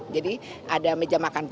jadi ada meja makan kuku